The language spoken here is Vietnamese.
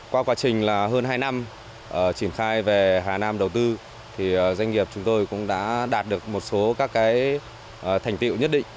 qua quá trình hơn hai năm triển khai về hà nam đầu tư thì doanh nghiệp chúng tôi cũng đã đạt được một số các thành tiệu nhất định